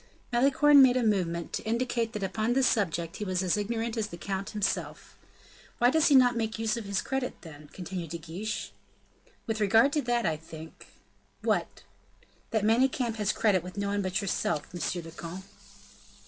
Malicorne made a movement, to indicate that upon this subject he was as ignorant as the count himself. "Why does he not make use of his credit, then?" continued De Guiche. "With regard to that, I think " "What?" "That Manicamp has credit with no one but yourself, monsieur le comte!"